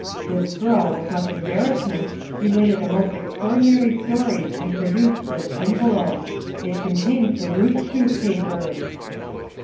This girl, with much embarrassment, related a most extraordinary story and produced this envelope. It contains the Roostchook papers.